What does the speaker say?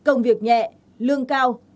công việc nhẹn lương cao